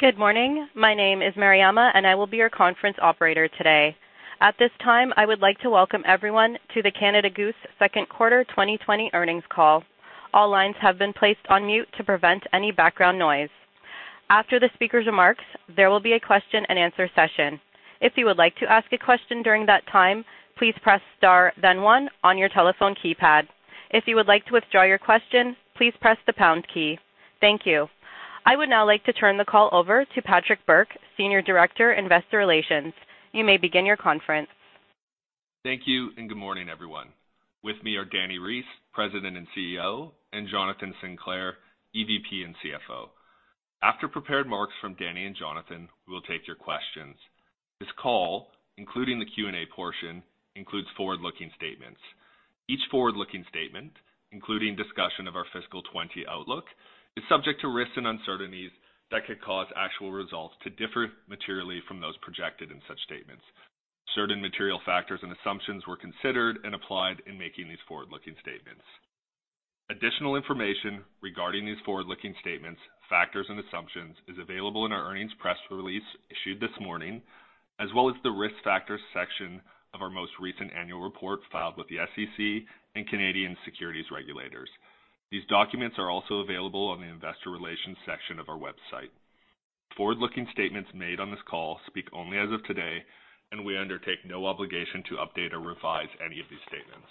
Good morning. My name is Mariama, and I will be your conference operator today. At this time, I would like to welcome everyone to the Canada Goose second quarter 2020 earnings call. All lines have been placed on mute to prevent any background noise. After the speaker's remarks, there will be a question and answer session. If you would like to ask a question during that time, please press star then one on your telephone keypad. If you would like to withdraw your question, please press the pound key. Thank you. I would now like to turn the call over to Patrick Bourke, Senior Director, Investor Relations. You may begin your conference. Thank you. Good morning, everyone. With me are Dani Reiss, President and CEO, and Jonathan Sinclair, EVP and CFO. After prepared remarks from Dani and Jonathan, we will take your questions. This call, including the Q&A portion, includes forward-looking statements. Each forward-looking statement, including discussion of our fiscal 2020 outlook, is subject to risks and uncertainties that could cause actual results to differ materially from those projected in such statements. Certain material factors and assumptions were considered and applied in making these forward-looking statements. Additional information regarding these forward-looking statements, factors, and assumptions is available in our earnings press release issued this morning, as well as the Risk Factors section of our most recent annual report filed with the SEC and Canadian securities regulators. These documents are also available on the Investor Relations section of our website. Forward-looking statements made on this call speak only as of today, and we undertake no obligation to update or revise any of these statements.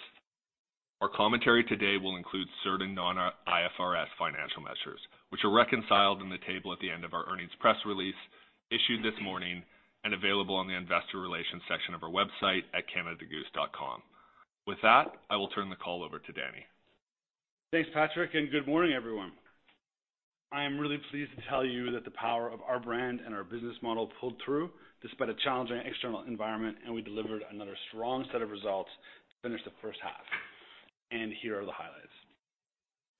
Our commentary today will include certain non-IFRS financial measures, which are reconciled in the table at the end of our earnings press release issued this morning and available on the Investor Relations section of our website at canadagoose.com. With that, I will turn the call over to Dani. Thanks, Patrick, good morning, everyone. I am really pleased to tell you that the power of our brand and our business model pulled through despite a challenging external environment, and we delivered another strong set of results to finish the first half. Here are the highlights.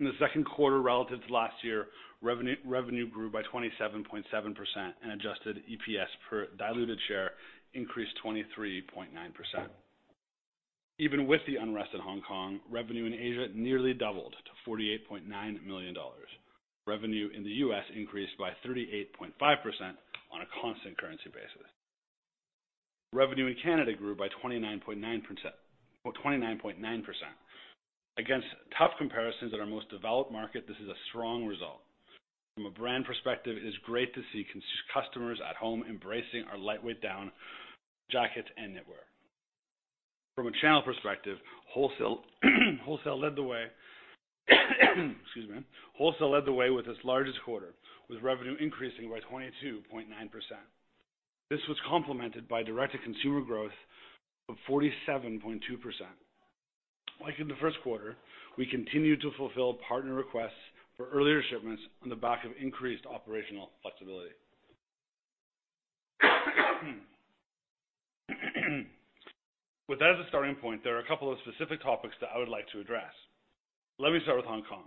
In the second quarter relative to last year, revenue grew by 27.7%, and adjusted EPS per diluted share increased 23.9%. Even with the unrest in Hong Kong, revenue in Asia nearly doubled to 48.9 million dollars. Revenue in the U.S. increased by 38.5% on a constant currency basis. Revenue in Canada grew by 29.9%. Against tough comparisons in our most developed market, this is a strong result. From a brand perspective, it is great to see customers at home embracing our lightweight down jackets and knitwear. From a channel perspective, wholesale led the way with its largest quarter, with revenue increasing by 22.9%. This was complemented by direct-to-consumer growth of 47.2%. Like in the first quarter, we continued to fulfill partner requests for earlier shipments on the back of increased operational flexibility. With that as a starting point, there are a couple of specific topics that I would like to address. Let me start with Hong Kong.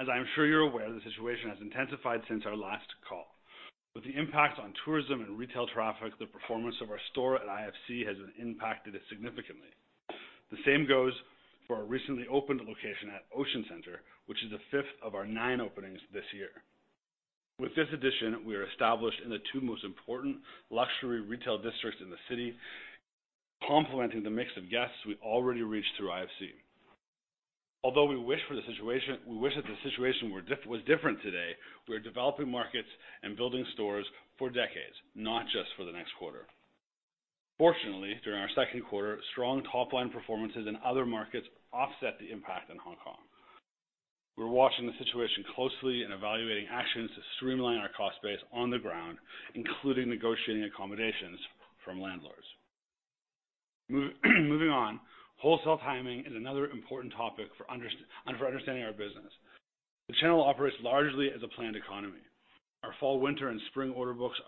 As I am sure you're aware, the situation has intensified since our last call. With the impact on tourism and retail traffic, the performance of our store at IFC has been impacted significantly. The same goes for our recently opened location at Ocean Center, which is the fifth of our nine openings this year. With this addition, we are established in the two most important luxury retail districts in the city, complementing the mix of guests we already reach through IFC. Although we wish that the situation was different today, we are developing markets and building stores for decades, not just for the next quarter. Fortunately, during our second quarter, strong top-line performances in other markets offset the impact in Hong Kong. We're watching the situation closely and evaluating actions to streamline our cost base on the ground, including negotiating accommodations from landlords. Moving on. Wholesale timing is another important topic for understanding our business. The channel operates largely as a planned economy. Our fall/winter and spring order books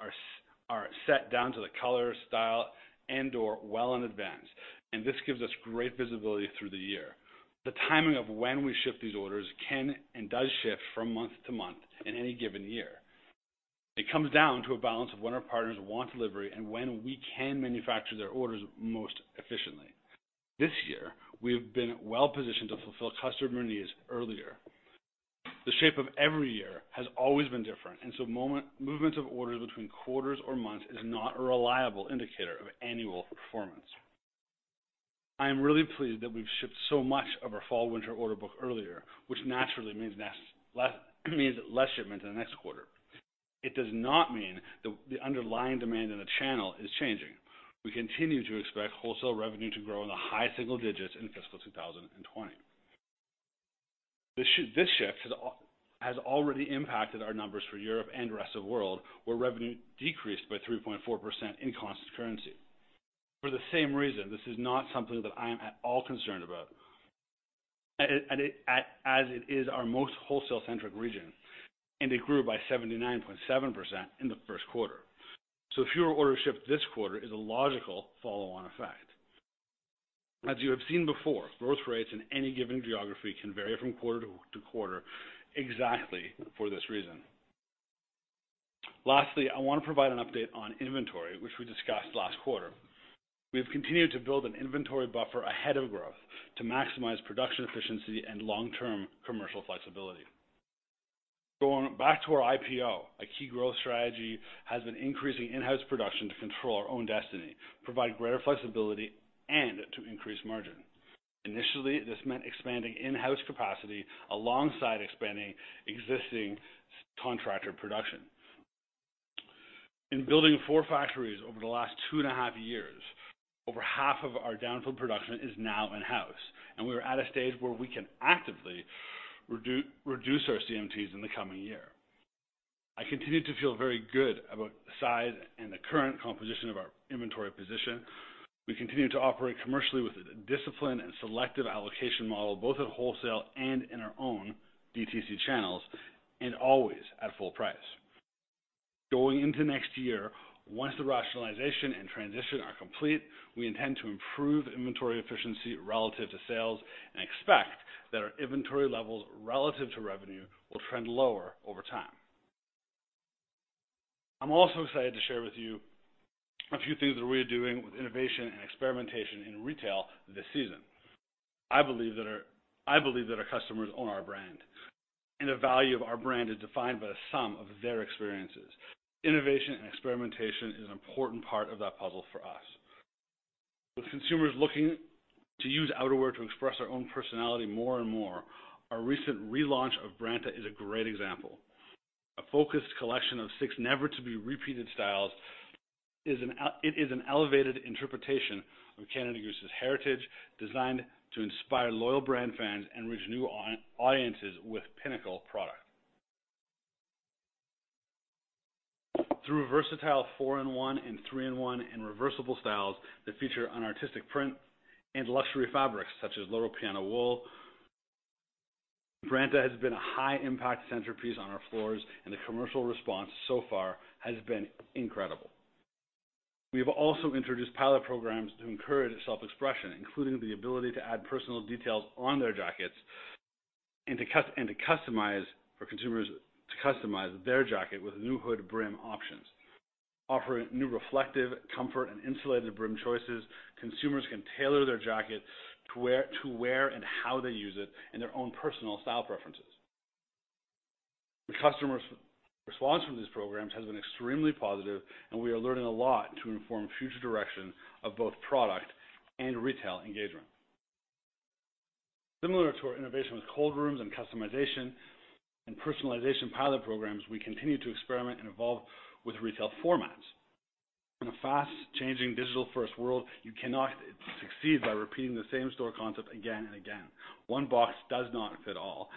are set down to the color, style, and/or well in advance, and this gives us great visibility through the year. The timing of when we ship these orders can and does shift from month to month in any given year. It comes down to a balance of when our partners want delivery and when we can manufacture their orders most efficiently. This year, we have been well-positioned to fulfill customer needs earlier. Movement of orders between quarters or months is not a reliable indicator of annual performance. I am really pleased that we've shipped so much of our fall/winter order book earlier, which naturally means less shipment in the next quarter. It does not mean the underlying demand in the channel is changing. We continue to expect wholesale revenue to grow in the high single digits in fiscal 2020. This shift has already impacted our numbers for Europe and the rest of the world, where revenue decreased by 3.4% in constant currency. For the same reason, this is not something that I am at all concerned about, as it is our most wholesale-centric region, and it grew by 79.7% in the first quarter. Fewer orders shipped this quarter is a logical follow-on effect. As you have seen before, growth rates in any given geography can vary from quarter to quarter exactly for this reason. Lastly, I want to provide an update on inventory, which we discussed last quarter. We have continued to build an inventory buffer ahead of growth to maximize production efficiency and long-term commercial flexibility. Going back to our IPO, a key growth strategy has been increasing in-house production to control our own destiny, provide greater flexibility, and to increase margin. Initially, this meant expanding in-house capacity alongside expanding existing contractor production. In building four factories over the last two and a half years, over half of our downfield production is now in-house, and we are at a stage where we can actively reduce our CMTs in the coming year. I continue to feel very good about the size and the current composition of our inventory position. We continue to operate commercially with a disciplined and selective allocation model, both at wholesale and in our own DTC channels, and always at full price. Going into next year, once the rationalization and transition are complete, we intend to improve inventory efficiency relative to sales and expect that our inventory levels relative to revenue will trend lower over time. I am also excited to share with you a few things that we are doing with innovation and experimentation in retail this season. I believe that our customers own our brand, and the value of our brand is defined by the sum of their experiences. Innovation and experimentation is an important part of that puzzle for us. With consumers looking to use outerwear to express their own personality more and more, our recent relaunch of BRANTA is a great example. A focused collection of six never to be repeated styles, it is an elevated interpretation of Canada Goose's heritage, designed to inspire loyal brand fans and reach new audiences with pinnacle product. Through versatile four-in-one and three-in-one and reversible styles that feature an artistic print and luxury fabrics such as Loro Piana wool, BRANTA has been a high impact centerpiece on our floors and the commercial response so far has been incredible. We have also introduced pilot programs to encourage self-expression, including the ability to add personal details on their jackets and for consumers to customize their jacket with new hood brim options. Offering new reflective, comfort, and insulated brim choices, consumers can tailor their jacket to where and how they use it and their own personal style preferences. The customers' response from these programs has been extremely positive, and we are learning a lot to inform future direction of both product and retail engagement. Similar to our innovation with cold rooms and customization and personalization pilot programs, we continue to experiment and evolve with retail formats. In a fast-changing digital-first world, you cannot succeed by repeating the same store concept again and again. One box does not fit all.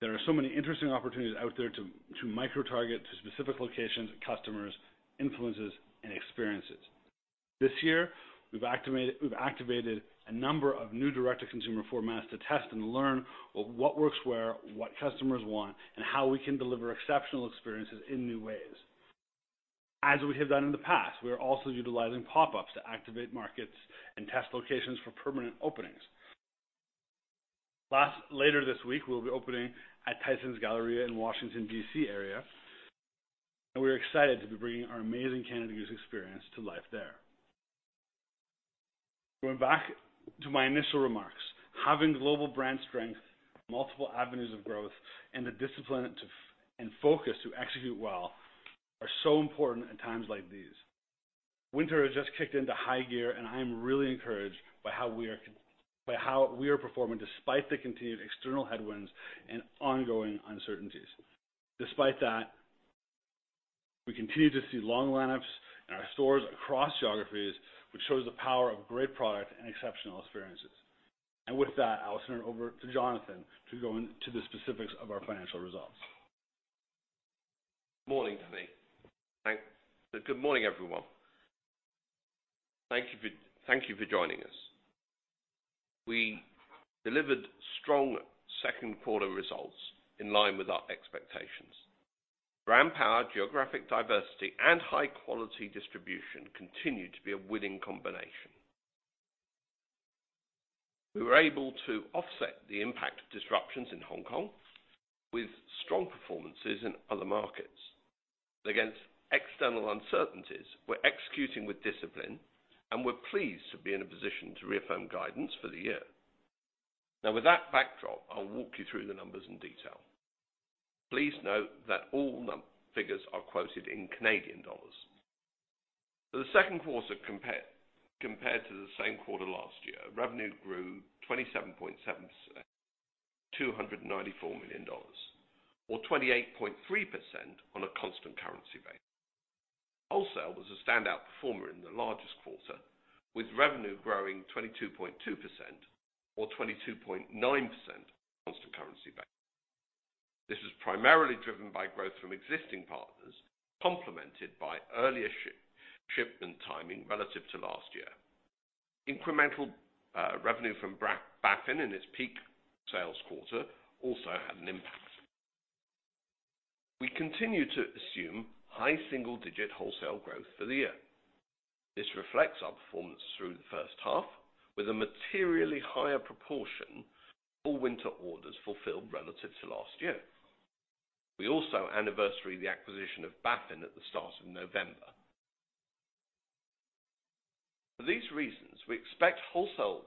There are so many interesting opportunities out there to micro-target to specific locations, customers, influences, and experiences. This year, we've activated a number of new direct-to-consumer formats to test and learn what works where, what customers want, and how we can deliver exceptional experiences in new ways. As we have done in the past, we are also utilizing pop-ups to activate markets and test locations for permanent openings. Later this week, we'll be opening at Tysons Galleria in Washington, D.C. area. We're excited to be bringing our amazing Canada Goose experience to life there. Going back to my initial remarks, having global brand strength, multiple avenues of growth, and the discipline and focus to execute well are so important in times like these. Winter has just kicked into high gear. I am really encouraged by how we are performing despite the continued external headwinds and ongoing uncertainties. Despite that, we continue to see long lineups in our stores across geographies, which shows the power of great product and exceptional experiences. With that, I'll turn it over to Jonathan to go into the specifics of our financial results. Good morning, everyone. Thank you for joining us. We delivered strong second quarter results in line with our expectations. Brand power, geographic diversity, and high-quality distribution continue to be a winning combination. We were able to offset the impact of disruptions in Hong Kong with strong performances in other markets. Against external uncertainties, we're executing with discipline, and we're pleased to be in a position to reaffirm guidance for the year. With that backdrop, I'll walk you through the numbers in detail. Please note that all figures are quoted in Canadian dollars. For the second quarter compared to the same quarter last year, revenue grew 27.7% to 294 million dollars, or 28.3% on a constant currency basis. Wholesale was a standout performer in the largest quarter, with revenue growing 22.2%, or 22.9% on a constant currency basis. This is primarily driven by growth from existing partners, complemented by earlier shipment timing relative to last year. Incremental revenue from Baffin in its peak sales quarter also had an impact. We continue to assume high single-digit wholesale growth for the year. This reflects our performance through the first half, with a materially higher proportion of full winter orders fulfilled relative to last year. We also anniversary the acquisition of Baffin at the start of November. For these reasons, we expect wholesale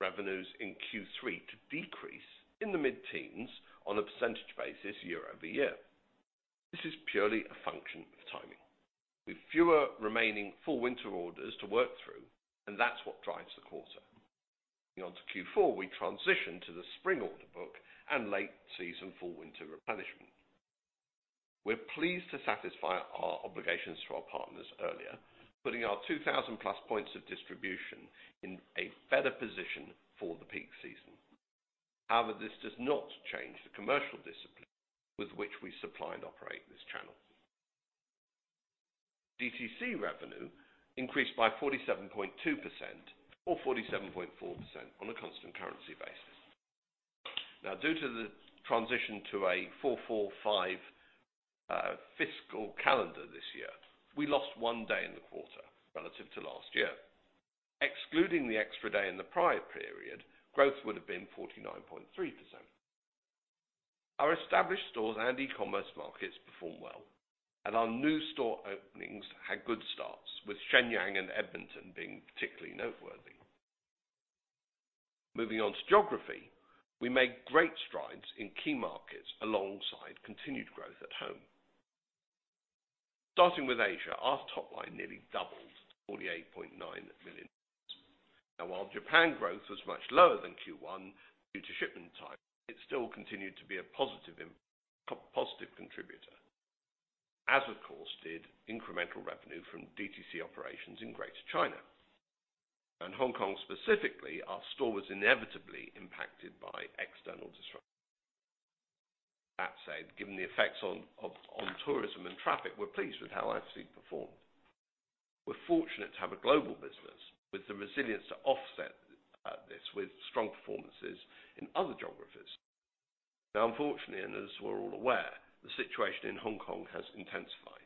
revenues in Q3 to decrease in the mid-teens on a percentage basis year-over-year. This is purely a function of timing. With fewer remaining full winter orders to work through, that's what drives the quarter. Moving on to Q4, we transition to the spring order book and late season full winter replenishment. This does not change the commercial discipline with which we supply and operate this channel. DTC revenue increased by 47.2% or 47.4% on a constant currency basis. Due to the transition to a four, five fiscal calendar this year, we lost one day in the quarter relative to last year. Excluding the extra day in the prior period, growth would have been 49.3%. Our established stores and e-commerce markets performed well, our new store openings had good starts, with Shenyang and Edmonton being particularly noteworthy. Moving on to geography, we made great strides in key markets alongside continued growth at home. Starting with Asia, our top line nearly doubled to 48.9 million. While Japan growth was much lower than Q1 due to shipment timing, it still continued to be a positive contributor, as, of course, did incremental revenue from DTC operations in Greater China. In Hong Kong, specifically, our store was inevitably impacted by external disruptions. That said, given the effects on tourism and traffic, we're pleased with how IFC performed. We're fortunate to have a global business with the resilience to offset this with strong performances in other geographies. Unfortunately, and as we're all aware, the situation in Hong Kong has intensified.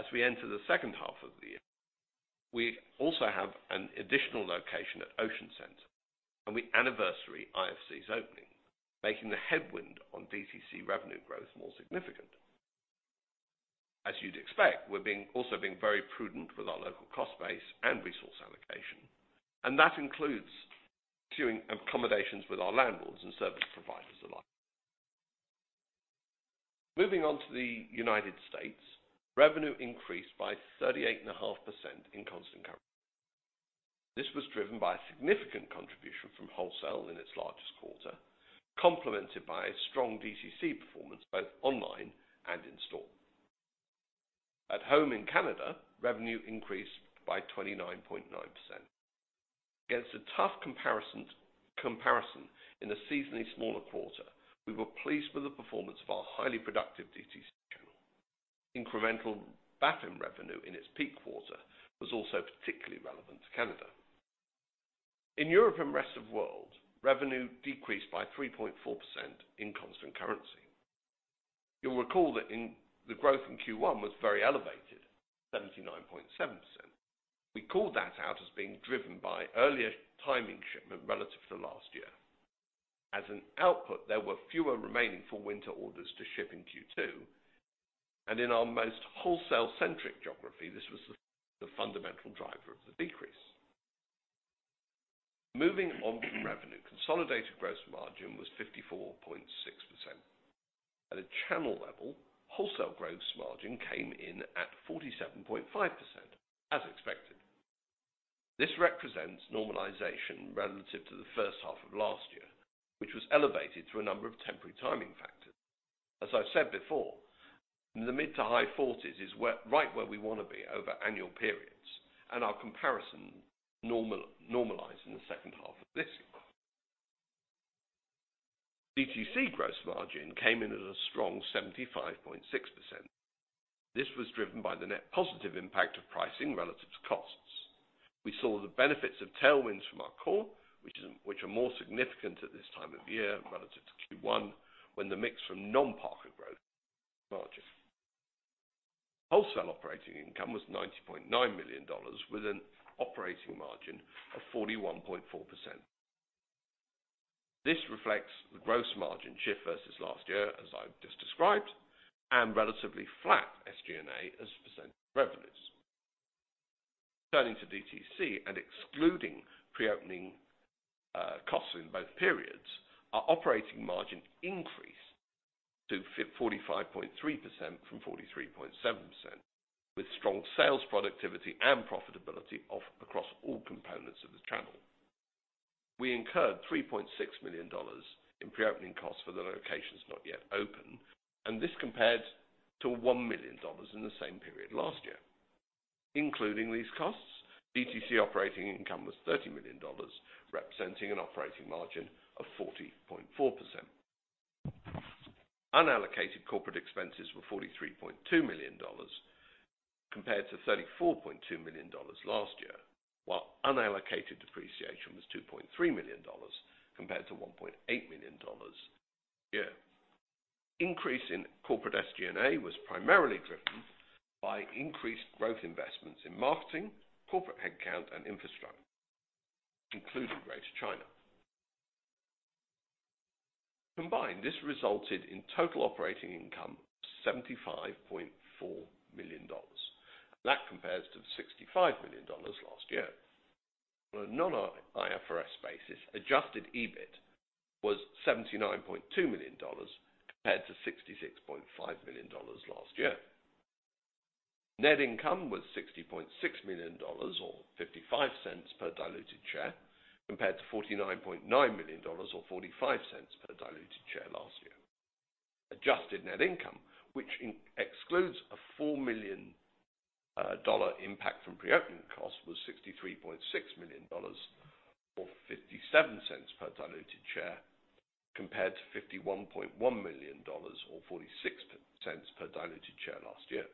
As we enter the second half of the year, we also have an additional location at Ocean Center, and we anniversary IFC's opening, making the headwind on DTC revenue growth more significant. As you'd expect, we're also being very prudent with our local cost base and resource allocation. That includes pursuing accommodations with our landlords and service providers alike. Moving on to the U.S., revenue increased by 38.5% in constant currency. This was driven by a significant contribution from wholesale in its largest quarter, complemented by a strong DTC performance both online and in-store. At home in Canada, revenue increased by 29.9%. Against a tough comparison in a seasonally smaller quarter, we were pleased with the performance of our highly productive DTC channel. Incremental Baffin revenue in its peak quarter was also particularly relevant to Canada. In Europe and rest of world, revenue decreased by 3.4% in constant currency. You'll recall that the growth in Q1 was very elevated, 79.7%. We called that out as being driven by earlier timing shipment relative to last year. As an output, there were fewer remaining full winter orders to ship in Q2, and in our most wholesale-centric geography, this was the fundamental driver of the decrease. Moving on to revenue, consolidated gross margin was 54.6%. At a channel level, wholesale gross margin came in at 47.5%, as expected. This represents normalization relative to the first half of last year, which was elevated through a number of temporary timing factors. As I've said before, the mid to high 40s is right where we want to be over annual periods, and our comparison normalized in the second half of this year. DTC gross margin came in at a strong 75.6%. This was driven by the net positive impact of pricing relative to costs. We saw the benefits of tailwinds from our core, which are more significant at this time of year relative to Q1, when the mix from non-partner growth margins. Wholesale operating income was 90.9 million dollars, with an operating margin of 41.4%. This reflects the gross margin shift versus last year, as I've just described, and relatively flat SG&A as a percent of revenues. Turning to DTC and excluding pre-opening costs in both periods, our operating margin increased to 45.3% from 43.7%, with strong sales productivity and profitability across all components of the channel. We incurred 3.6 million dollars in pre-opening costs for the locations not yet open. This compared to 1 million dollars in the same period last year. Including these costs, DTC operating income was CAD 30 million, representing an operating margin of 40.4%. Unallocated corporate expenses were 43.2 million dollars compared to 34.2 million dollars last year, while unallocated depreciation was 2.3 million dollars compared to 1.8 million dollars last year. Increase in corporate SG&A was primarily driven by increased growth investments in marketing, corporate headcount, and infrastructure, including Greater China. Combined, this resulted in total operating income of 75.4 million dollars. That compares to 65 million dollars last year. On a non-IFRS basis, adjusted EBIT was 79.2 million dollars, compared to 66.5 million dollars last year. Net income was 60.6 million dollars, or 0.55 per diluted share, compared to 49.9 million dollars or 0.45 per diluted share last year. Adjusted net income, which excludes a 4 million dollar impact from preopening costs, was 63.6 million dollars, or 0.57 per diluted share, compared to 51.1 million dollars or 0.46 per diluted share last year.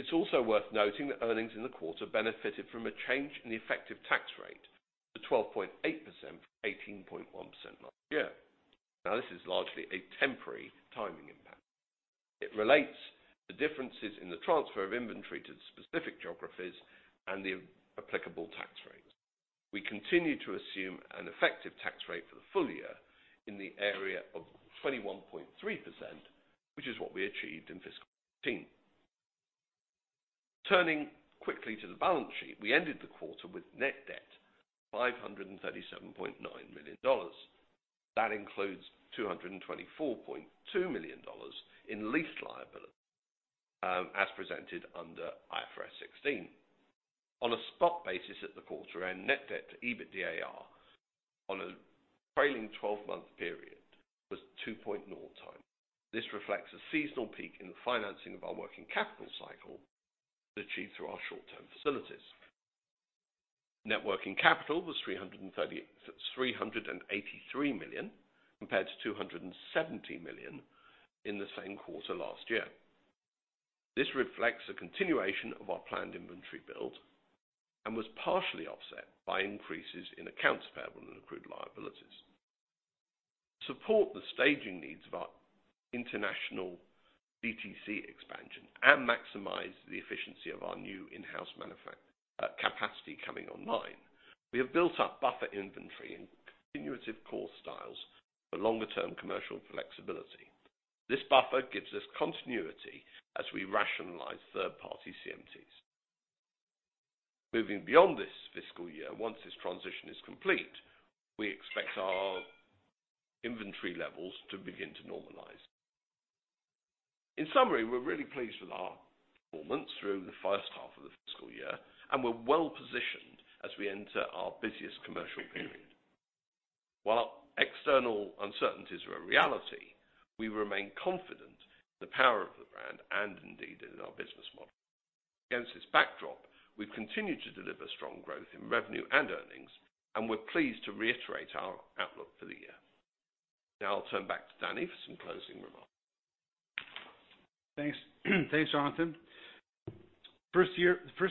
It's also worth noting that earnings in the quarter benefited from a change in the effective tax rate to 12.8%, from 18.1% last year. This is largely a temporary timing impact. It relates the differences in the transfer of inventory to the specific geographies and the applicable tax rates. We continue to assume an effective tax rate for the full year in the area of 21.3%, which is what we achieved in fiscal '18. Turning quickly to the balance sheet, we ended the quarter with net debt of 537.9 million dollars. That includes 224.2 million dollars in lease liabilities, as presented under IFRS 16. On a spot basis at the quarter end, net debt to EBITDA on a trailing 12-month period was 2.0 times. This reflects a seasonal peak in the financing of our working capital cycle that achieved through our short-term facilities. Net working capital was 383 million compared to 270 million in the same quarter last year. This reflects a continuation of our planned inventory build and was partially offset by increases in accounts payable and accrued liabilities. To support the staging needs of our international DTC expansion and maximize the efficiency of our new in-house capacity coming online, we have built up buffer inventory in continuative core styles for longer-term commercial flexibility. This buffer gives us continuity as we rationalize third-party CMTs. Moving beyond this fiscal year, once this transition is complete, we expect our inventory levels to begin to normalize. In summary, we're really pleased with our performance through the first half of the fiscal year, and we're well positioned as we enter our busiest commercial period. While external uncertainties are a reality, we remain confident in the power of the brand and indeed in our business model. Against this backdrop, we've continued to deliver strong growth in revenue and earnings, and we're pleased to reiterate our outlook for the year. Now I'll turn back to Dani for some closing remarks. Thanks. Thanks, Jonathan. First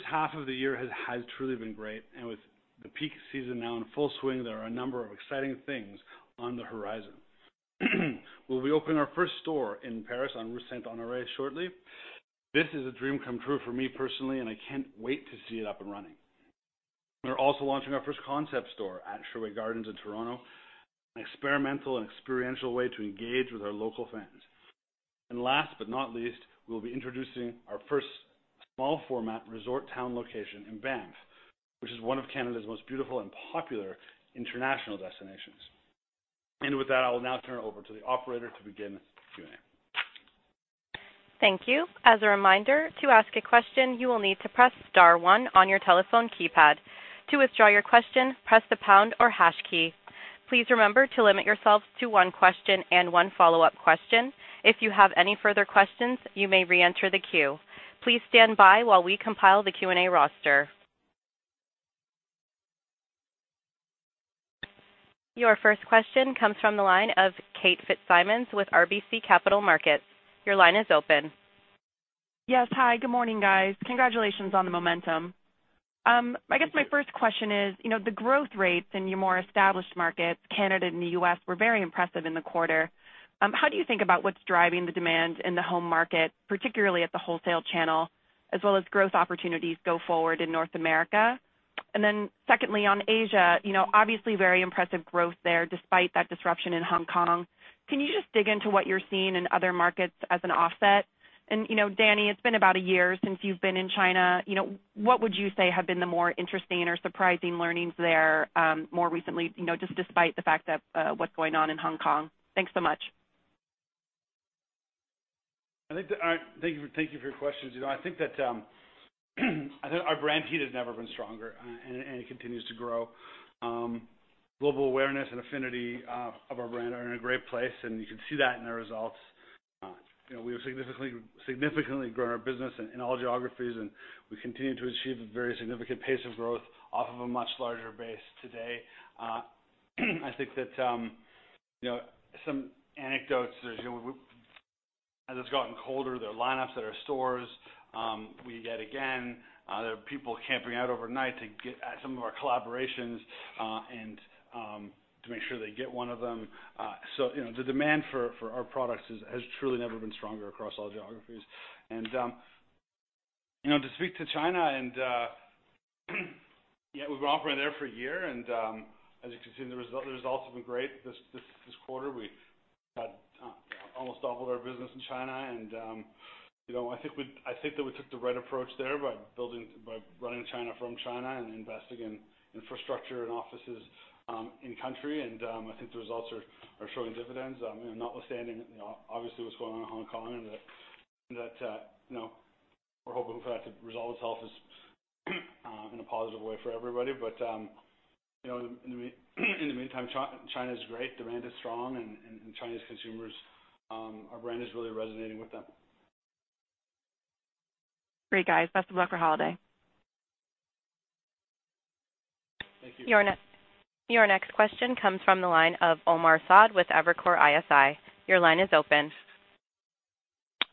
half of the year has truly been great. With the peak season now in full swing, there are a number of exciting things on the horizon. We'll be opening our first store in Paris on Rue Saint-Honoré shortly. This is a dream come true for me personally, and I can't wait to see it up and running. We're also launching our first concept store at Sherway Gardens in Toronto, an experimental and experiential way to engage with our local fans. Last but not least, we'll be introducing our first small format resort town location in Banff, which is one of Canada's most beautiful and popular international destinations. With that, I will now turn it over to the operator to begin the Q&A. Thank you. As a reminder, to ask a question, you will need to press star 1 on your telephone keypad. To withdraw your question, press the pound or hash key. Please remember to limit yourselves to 1 question and 1 follow-up question. If you have any further questions, you may reenter the queue. Please stand by while we compile the Q&A roster. Your first question comes from the line of Kate Fitzsimons with RBC Capital Markets. Your line is open. Yes. Hi, good morning, guys. Congratulations on the momentum. Thank you. I guess my first question is, the growth rates in your more established markets, Canada and the U.S., were very impressive in the quarter. How do you think about what's driving the demand in the home market, particularly at the wholesale channel, as well as growth opportunities go forward in North America? Secondly, on Asia, obviously very impressive growth there despite that disruption in Hong Kong. Can you just dig into what you're seeing in other markets as an offset? Dani, it's been about a year since you've been in China. What would you say have been the more interesting or surprising learnings there more recently, just despite the fact of what's going on in Hong Kong? Thanks so much. Thank you for your questions. I think that our brand heat has never been stronger and it continues to grow. Global awareness and affinity of our brand are in a great place, and you can see that in the results. We have significantly grown our business in all geographies, and we continue to achieve a very significant pace of growth off of a much larger base today. I think that some anecdotes, as it's gotten colder, there are lineups at our stores. There are people camping out overnight to get at some of our collaborations, and to make sure they get one of them. The demand for our products has truly never been stronger across all geographies. To speak to China, and yeah, we've been operating there for a year, and as you can see, the results have been great. This quarter, we had almost doubled our business in China, and I think that we took the right approach there by running China from China and investing in infrastructure and offices in country. I think the results are showing dividends. Notwithstanding, obviously, what's going on in Hong Kong and that we're hoping for that to resolve itself in a positive way for everybody. In the meantime, China is great. Demand is strong, and Chinese consumers, our brand is really resonating with them. Great, guys. Best of luck for holiday. Thank you. Your next question comes from the line of Omar Saad with Evercore ISI. Your line is open.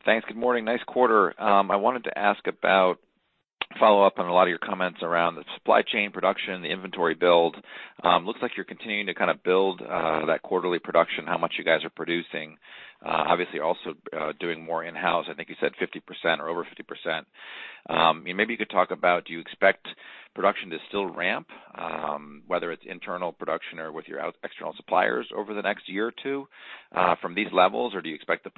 Thanks. Good morning. Nice quarter. I wanted to ask about follow-up on a lot of your comments around the supply chain production, the inventory build. Looks like you're continuing to build that quarterly production, how much you guys are producing. Obviously, also doing more in-house, I think you said 50% or over 50%. Maybe you could talk about, do you expect production to still ramp, whether it's internal production or with your external suppliers over the next year or two from these levels, or do you expect the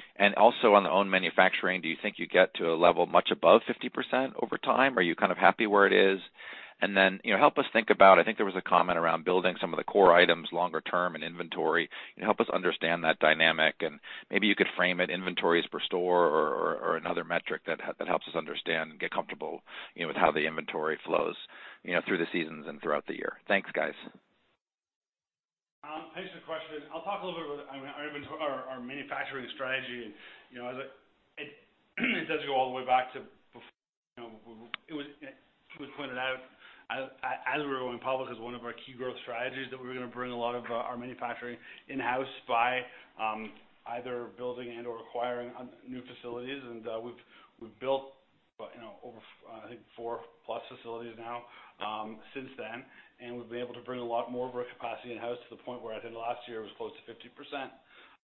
production to level off at some point? Also on the own manufacturing, do you think you get to a level much above 50% over time? Are you happy where it is? Then help us think about, I think there was a comment around building some of the core items longer term in inventory. Help us understand that dynamic, and maybe you could frame it inventories per store or another metric that helps us understand and get comfortable with how the inventory flows through the seasons and throughout the year. Thanks, guys. Thanks for the question. I'll talk a little bit about our manufacturing strategy. It does go all the way back to before. It was pointed out as we were going public as one of our key growth strategies that we were going to bring a lot of our manufacturing in-house by either building and/or acquiring new facilities. We've built over, I think, four plus facilities now since then. We've been able to bring a lot more of our capacity in-house to the point where I think last year it was close to 50%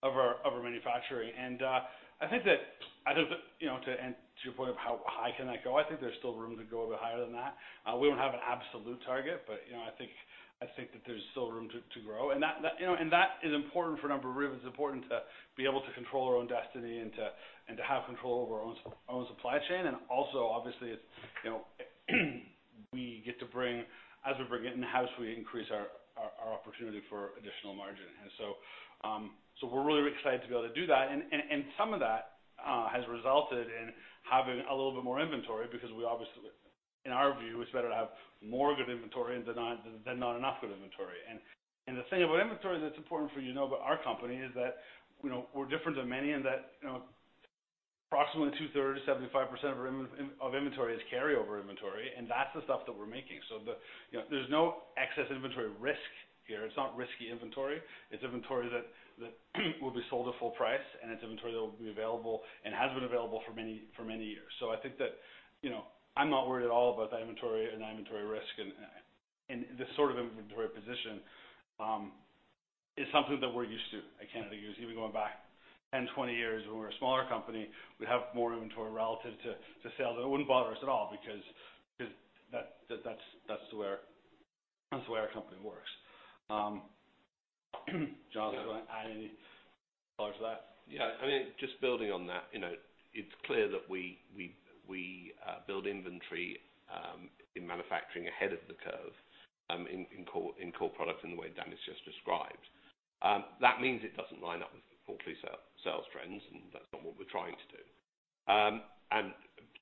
of our manufacturing. I think that to your point of how high can that go, I think there's still room to go a bit higher than that. We don't have an absolute target, but I think that there's still room to grow. That is important for a number of reasons. It's important to be able to control our own destiny and to have control over our own supply chain. Also, obviously, as we bring it in-house, we increase our opportunity for additional margin. We're really excited to be able to do that. Some of that has resulted in having a little bit more inventory because in our view, it's better to have more good inventory than not enough good inventory. The thing about inventory that's important for you to know about our company is that we're different than many in that approximately two-thirds, 75% of our inventory is carryover inventory, and that's the stuff that we're making. There's no excess inventory risk here. It's not risky inventory. It's inventory that will be sold at full price, and it's inventory that will be available and has been available for many years. I think that I'm not worried at all about that inventory and that inventory risk, and this sort of inventory position is something that we're used to at Canada Goose. Even going back 10, 20 years when we were a smaller company, we'd have more inventory relative to sales, and it wouldn't bother us at all because that's the way our company works. Jonathan, do you want to add any thoughts to that? Yeah. Just building on that, it's clear that we build inventory in manufacturing ahead of the curve in core products in the way Dani has just described. That means it doesn't line up with quarterly sales trends, and that's not what we're trying to do.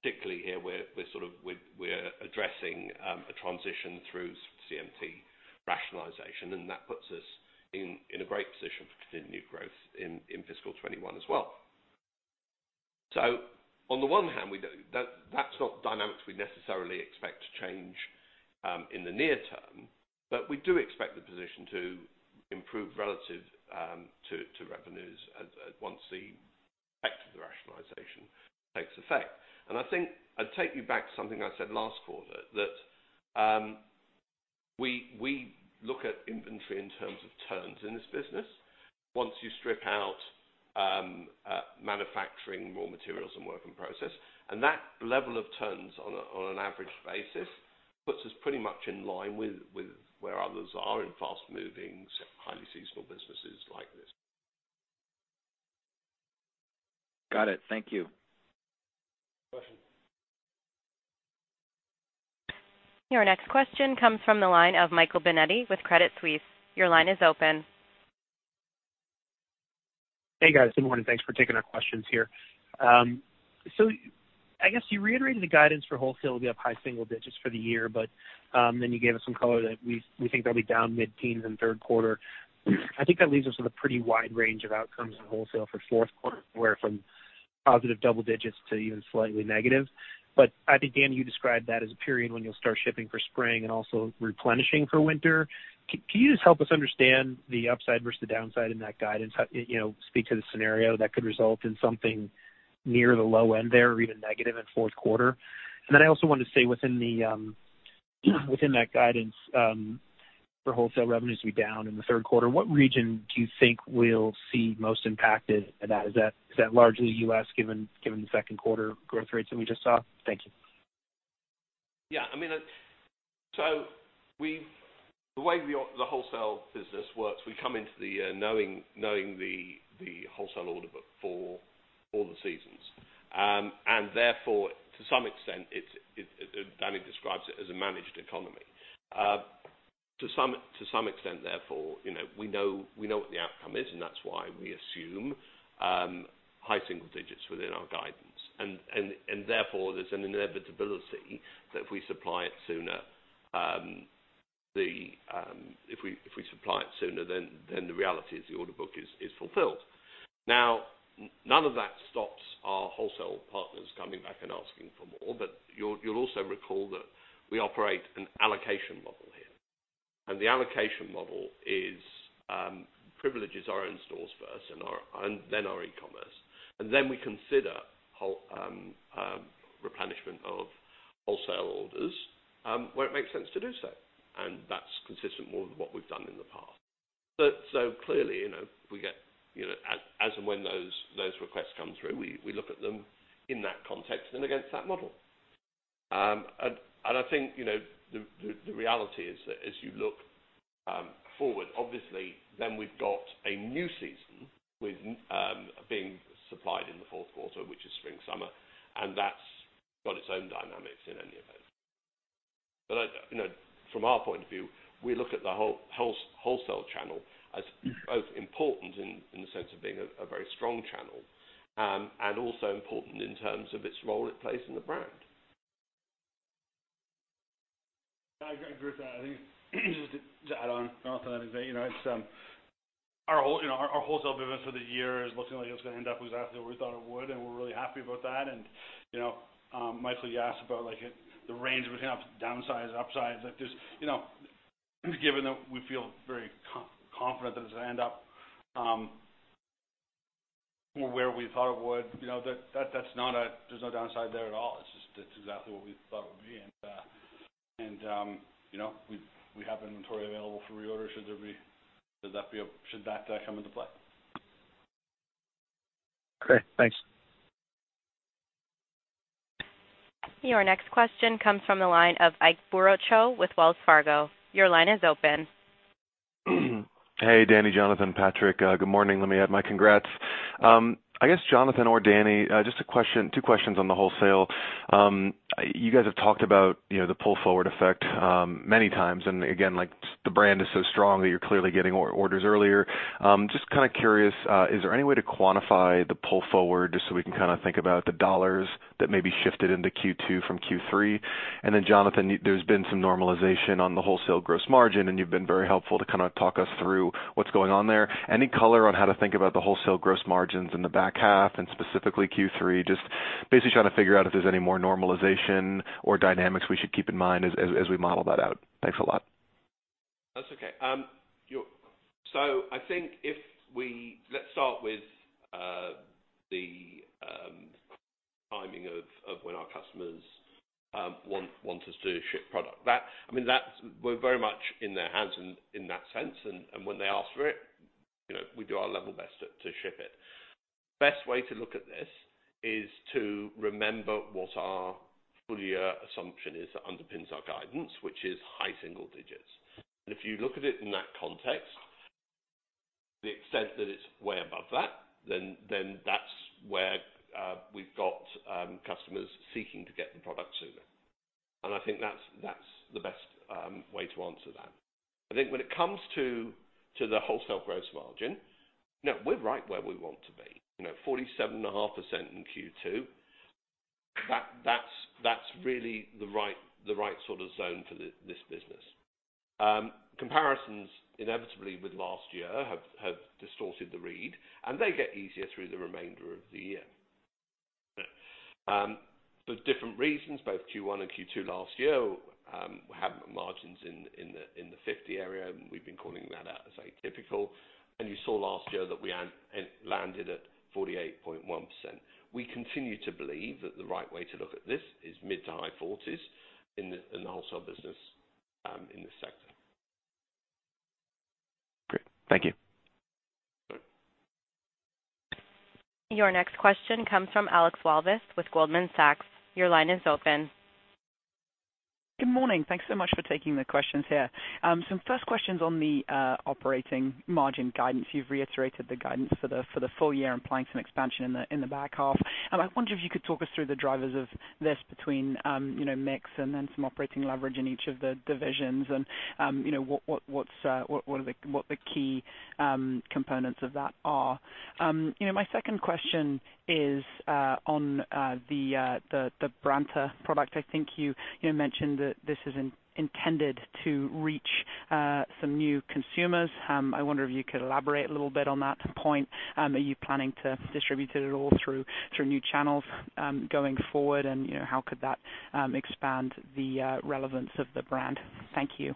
Particularly here, we're addressing a transition through CMT rationalization. That puts us in a great position for continued new growth in fiscal 2021 as well. On the one hand, that's not dynamics we necessarily expect to change in the near term, we do expect the position to improve relative to revenues once the effect of the rationalization takes effect. I think I'd take you back to something I said last quarter, that we look at inventory in terms of turns in this business once you strip out manufacturing, raw materials, and work in process. That level of turns on an average basis puts us pretty much in line with where others are in fast moving, highly seasonal businesses like this. Got it. Thank you. Question. Your next question comes from the line of Michael Binetti with Credit Suisse. Your line is open. Hey, guys. Good morning. Thanks for taking our questions here. I guess you reiterated the guidance for wholesale will be up high single digits for the year, but then you gave us some color that we think they'll be down mid-teens in the third quarter. I think that leaves us with a pretty wide range of outcomes in wholesale for fourth quarter, where from positive double digits to even slightly negative. I think, Dani, you described that as a period when you'll start shipping for spring and also replenishing for winter. Can you just help us understand the upside versus the downside in that guidance? Speak to the scenario that could result in something near the low end there or even negative in the fourth quarter. I also wanted to say within that guidance, for wholesale revenues to be down in the third quarter, what region do you think will see most impacted? Is that largely U.S., given the second quarter growth rates that we just saw? Thank you. Yeah. The way the wholesale business works, we come into the year knowing the wholesale order book for all the seasons. Therefore, to some extent, Dani describes it as a managed economy. To some extent therefore, we know what the outcome is, and that's why we assume high single digits within our guidance. Therefore, there's an inevitability that if we supply it sooner, then the reality is the order book is fulfilled. Now, none of that stops our wholesale partners coming back and asking for more. You'll also recall that we operate an allocation model here. The allocation model privileges our own stores first and then our e-commerce. Then we consider replenishment of wholesale orders, where it makes sense to do so. That's consistent more with what we've done in the past. Clearly, as and when those requests come through, we look at them in that context and against that model. I think, the reality is that as you look forward, obviously, then we've got a new season being supplied in the fourth quarter, which is spring-summer, and that's got its own dynamics in any event. From our point of view, we look at the wholesale channel as both important in the sense of being a very strong channel, and also important in terms of its role it plays in the brand. I agree with that. I think just to add on to that, our wholesale business for the year is looking like it was going to end up exactly where we thought it would. We're really happy about that. Michael, you asked about the range we have, downsize, upsize. Given that we feel very confident that it's going to end up more where we thought it would, there's no downside there at all. It's just exactly what we thought it would be. We have inventory available for reorder should that come into play. Okay, thanks. Your next question comes from the line of Ike Boruchow with Wells Fargo. Your line is open. Hey, Dani, Jonathan, Patrick. Good morning. Let me add my congrats. I guess Jonathan or Dani, just two questions on the wholesale. You guys have talked about the pull-forward effect many times, and again, the brand is so strong that you're clearly getting orders earlier. Just kind of curious, is there any way to quantify the pull forward, just so we can think about the CAD that may be shifted into Q2 from Q3? Jonathan, there's been some normalization on the wholesale gross margin, and you've been very helpful to kind of talk us through what's going on there. Any color on how to think about the wholesale gross margins in the back half and specifically Q3? Just basically trying to figure out if there's any more normalization or dynamics we should keep in mind as we model that out. Thanks a lot. That's okay. I think let's start with the timing of when our customers want us to ship product. We're very much in their hands in that sense, and when they ask for it, we do our level best to ship it. Best way to look at this is to remember what our full year assumption is that underpins our guidance, which is high single digits. If you look at it in that context, to the extent that it's way above that, then that's where we've got customers seeking to get the product sooner. I think that's the best way to answer that. I think when it comes to the wholesale gross margin, we're right where we want to be. 47.5% in Q2. That's really the right sort of zone for this business. Comparisons inevitably with last year have distorted the read, and they get easier through the remainder of the year. For different reasons, both Q1 and Q2 last year, have margins in the 50% area, and we've been calling that out as atypical. You saw last year that we landed at 48.1%. We continue to believe that the right way to look at this is mid to high 40s in the wholesale business in this sector. Great. Thank you. Sure. Your next question comes from Alex Walvis with Goldman Sachs. Your line is open. Good morning. Thanks so much for taking the questions here. Some first questions on the operating margin guidance. You've reiterated the guidance for the full year, implying some expansion in the back half. I wonder if you could talk us through the drivers of this between mix and then some operating leverage in each of the divisions and what the key components of that are. My second question is on the BRANTA product. I think you mentioned that this is intended to reach some new consumers. I wonder if you could elaborate a little bit on that point. Are you planning to distribute it at all through new channels going forward, and how could that expand the relevance of the brand? Thank you.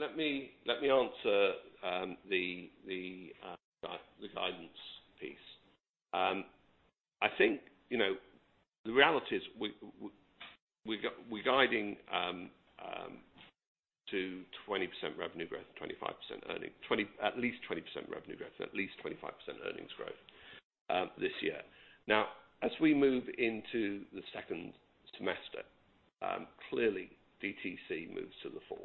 Let me answer the guidance piece. I think the reality is we're guiding to 20% revenue growth, at least 20% revenue growth, at least 25% earnings growth this year. As we move into the second semester, clearly DTC moves to the fore,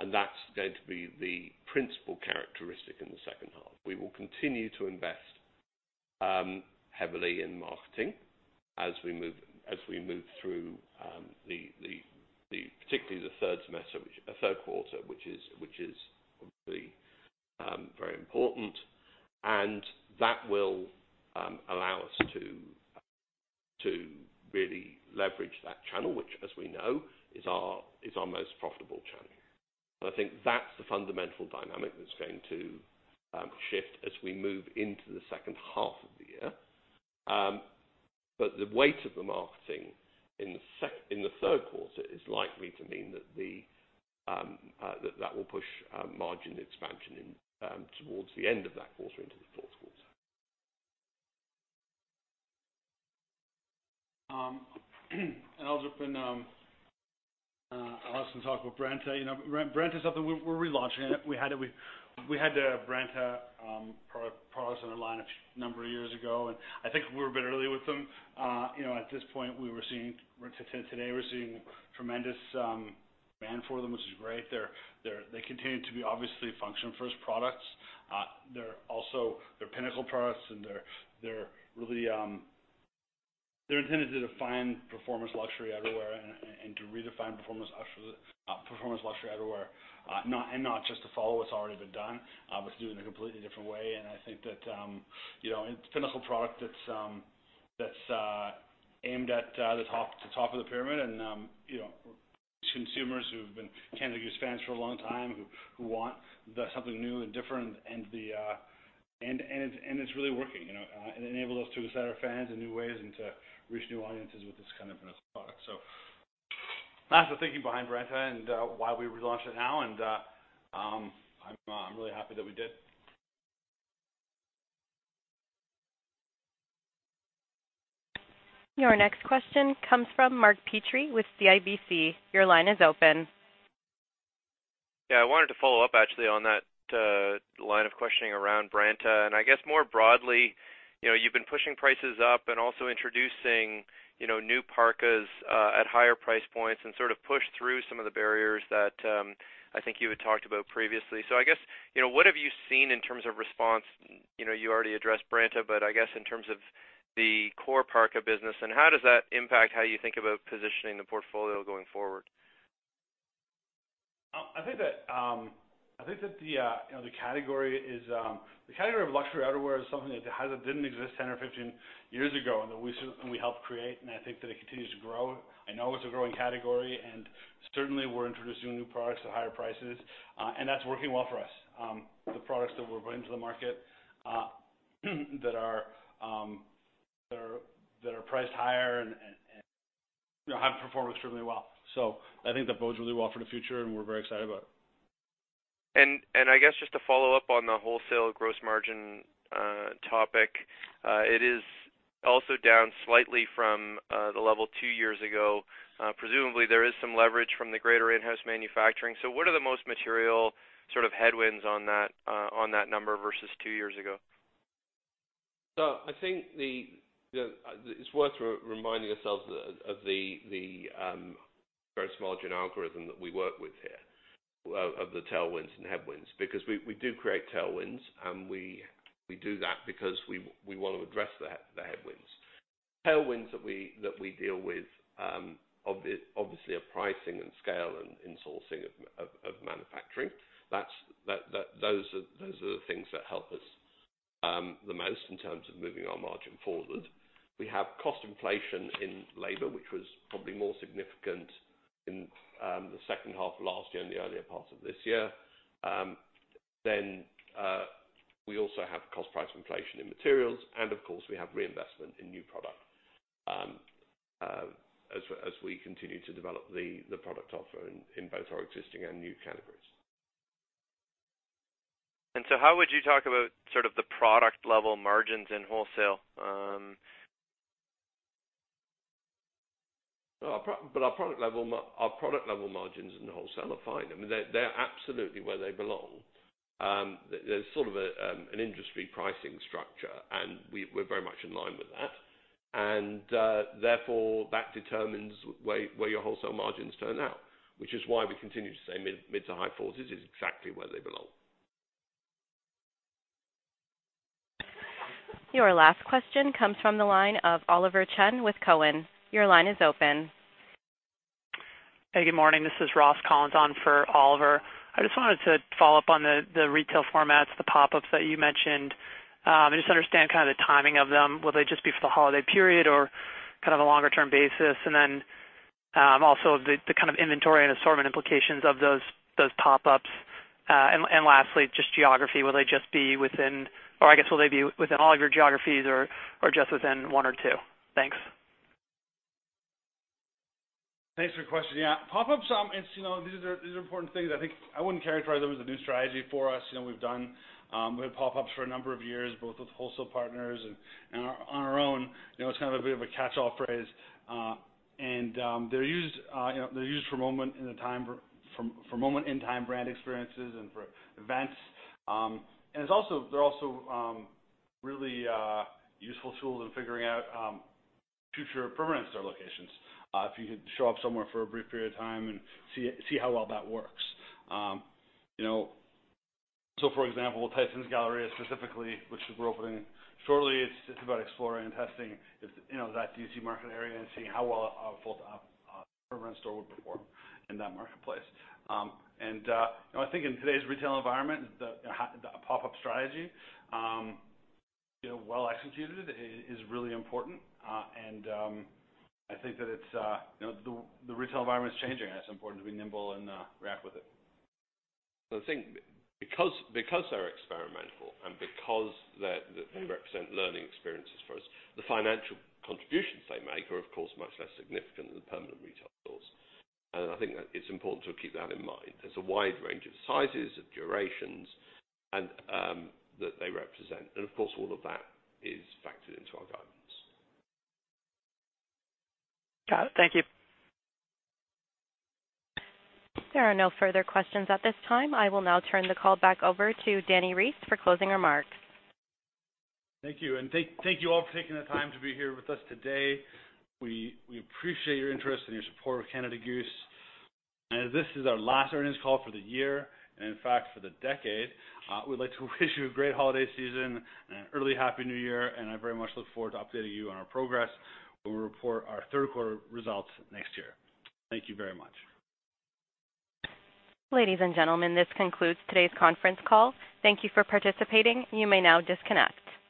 and that's going to be the principal characteristic in the second half. We will continue to invest heavily in marketing as we move through, particularly the third quarter, which is obviously very important. That will allow us to really leverage that channel, which as we know, is our most profitable channel. I think that's the fundamental dynamic that's going to shift as we move into the second half of the year. The weight of the marketing in the third quarter is likely to mean that that will push margin expansion towards the end of that quarter into the fourth quarter. I was up in-- I'll also talk about BRANTA. BRANTA is something we're relaunching. We had the BRANTA products in our line a number of years ago, and I think we were a bit early with them. At this point, today, we're seeing tremendous demand for them, which is great. They continue to be obviously functional first products. They're Pinnacle products, and they're intended to define performance luxury outerwear and to redefine performance luxury outerwear, and not just to follow what's already been done, but to do it in a completely different way. I think that it's a Pinnacle product that's aimed at the top of the pyramid, and consumers who've been Canada Goose fans for a long time who want something new and different, and it's really working. It enabled us to excite our fans in new ways and to reach new audiences with this kind of Pinnacle product. Lots of thinking behind BRANTA and why we relaunched it now, and I'm really happy that we did. Your next question comes from Mark Petrie with CIBC. Your line is open. I wanted to follow up actually on that line of questioning around BRANTA. I guess more broadly, you've been pushing prices up and also introducing new parkas at higher price points and sort of pushed through some of the barriers that I think you had talked about previously. I guess, what have you seen in terms of response? You already addressed BRANTA, but I guess in terms of the core parka business, and how does that impact how you think about positioning the portfolio going forward? I think that the category of luxury outerwear is something that didn't exist 10 or 15 years ago, and we helped create, and I think that it continues to grow. I know it's a growing category, and certainly we're introducing new products at higher prices. That's working well for us. The products that we're bringing to the market that are priced higher have performed extremely well. I think that bodes really well for the future, and we're very excited about it. I guess just to follow up on the wholesale gross margin topic, it is also down slightly from the level two years ago. Presumably, there is some leverage from the greater in-house manufacturing. What are the most material sort of headwinds on that number versus two years ago? I think it's worth reminding ourselves of the gross margin algorithm that we work with here, of the tailwinds and headwinds. Because we do create tailwinds, and we do that because we want to address the headwinds. Tailwinds that we deal with obviously are pricing and scale and insourcing of manufacturing. Those are the things that help us the most in terms of moving our margin forward. We have cost inflation in labor, which was probably more significant in the second half of last year and the earlier part of this year. We also have cost price inflation in materials, and of course, we have reinvestment in new product as we continue to develop the product offer in both our existing and new categories. How would you talk about sort of the product level margins in wholesale? Our product level margins in the wholesale are fine. I mean, they're absolutely where they belong. There's sort of an industry pricing structure, and we're very much in line with that. Therefore, that determines where your wholesale margins turn out, which is why we continue to say mid to high 40s is exactly where they belong. Your last question comes from the line of Oliver Chen with Cowen. Your line is open. Hey, good morning. This is Ross Collins on for Oliver. I just wanted to follow up on the retail formats, the pop-ups that you mentioned. I just understand kind of the timing of them. Will they just be for the holiday period or kind of a longer-term basis? Also the kind of inventory and assortment implications of those pop-ups. Lastly, just geography. Will they be within all of your geographies or just within one or two? Thanks. Thanks for the question. Yeah. Pop-ups, these are important things. I think I wouldn't characterize them as a new strategy for us. We've done pop-ups for a number of years, both with wholesale partners and on our own. It's kind of a bit of a catch-all phrase. They're used for moment in time brand experiences and for events. They're also really useful tools in figuring out future permanent store locations. If you can show up somewhere for a brief period of time and see how well that works. For example, with Tysons Galleria specifically, which we're opening shortly, it's about exploring and testing that D.C. market area and seeing how well a full permanent store would perform in that marketplace. I think in today's retail environment, the pop-up strategy, well executed, is really important. I think that the retail environment is changing, and it's important to be nimble and ramp with it. I think because they're experimental and because they represent learning experiences for us, the financial contributions they make are, of course, much less significant than permanent retail stores. I think that it's important to keep that in mind. There's a wide range of sizes, of durations, and that they represent. Of course, all of that is factored into our guidance. Got it. Thank you. There are no further questions at this time. I will now turn the call back over to Dani Reiss for closing remarks. Thank you. Thank you all for taking the time to be here with us today. We appreciate your interest and your support of Canada Goose. As this is our last earnings call for the year, and in fact, for the decade, we'd like to wish you a great holiday season and an early happy New Year, and I very much look forward to updating you on our progress when we report our third quarter results next year. Thank you very much. Ladies and gentlemen, this concludes today's conference call. Thank you for participating. You may now disconnect.